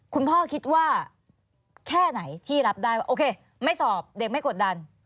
คุณพ่อคิดว่าแค่ไหนที่รับได้ว่าโอเคไม่สอบเด็กไม่กดดัน